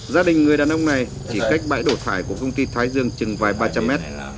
gia đình người đàn ông này chỉ cách bãi đổ phải của công ty thái dương chừng vài ba trăm linh mét